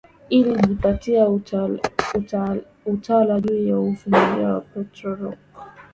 ilijipatia utawala juu ya Ufilipino na Puerto Rico